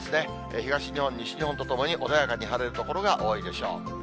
東日本、西日本ともに穏やかに晴れる所が多いでしょう。